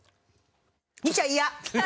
見ちゃ嫌！